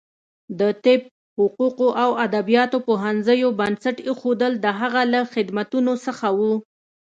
د طب، حقوقو او ادبیاتو پوهنځیو بنسټ ایښودل د هغه له خدمتونو څخه و.